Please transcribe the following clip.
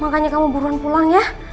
hanya kamu buruan pulang ya